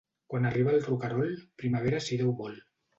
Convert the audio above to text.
Quan arriba el roquerol, primavera, si Déu vol.